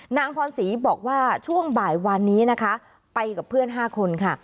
นางพรศรีบอกว่าช่วงบ่ายวันนี้นะคะไปกับเพื่อน๕คนค่ะ